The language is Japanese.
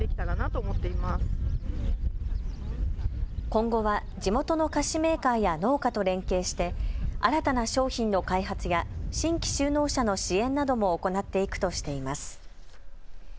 今後は地元の菓子メーカーや農家と連携して新たな商品の開発や新規就農者の支援なども行っていくとしています。